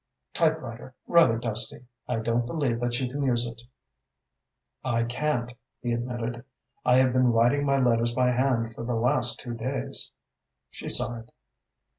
Typewriter rather dusty. I don't believe that you can use it." "I can't," he admitted. "I have been writing my letters by hand for the last two days." She sighed.